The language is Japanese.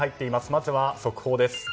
まずは、速報です。